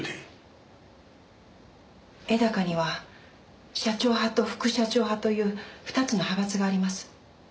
絵高には社長派と副社長派という２つの派閥があります。